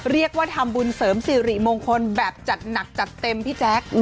เรียกว่าทำบุญเสริมสิริมงคลแบบจัดหนักจัดเต็มพี่แจ๊ค